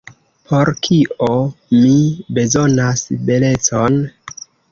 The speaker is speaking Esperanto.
Por kio mi bezonas belecon?